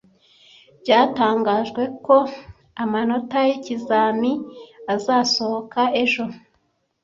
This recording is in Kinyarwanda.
byatangajwe ko amanota yikizami azasohoka ejo